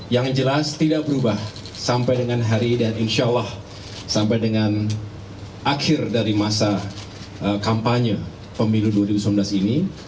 yang jelas tidak berubah sampai dengan hari dan insya allah sampai dengan akhir dari masa kampanye pemilu dua ribu sembilan belas ini